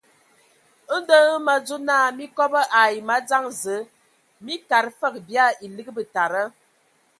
Ndɔ hm me adzo naa mii kobo ai madzaŋ Zǝə, mii kad fǝg bia elig betada.